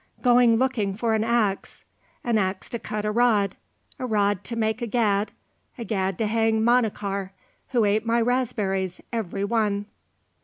"Going looking for an axe, an axe to cut a rod, a rod to make a gad, a gad to hang Manachar, who ate my raspberries every one."